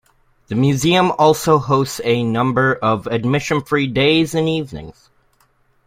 The Museum also hosts a number of admission-free days and evenings.